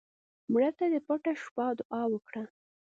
مړه ته د پټه شپه دعا وکړه